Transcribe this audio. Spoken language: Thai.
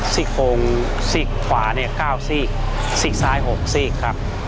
สิกฝงสิกขวาเนี่ยก้าวสิกสิกซ้ายหกสิกครับ